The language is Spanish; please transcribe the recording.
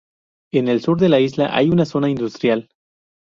En el sur de la isla hay una zona industrial.